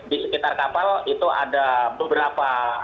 di sekitar kapal itu ada beberapa